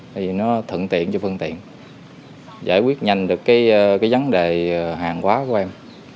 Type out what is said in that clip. thì nó thận tiện cho phương tiện giải quyết nhanh được cái vấn đề hàng quá của em